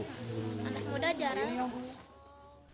anak muda jarang